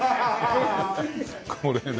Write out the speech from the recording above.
これね。